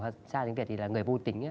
tra tiếng việt là người vô tính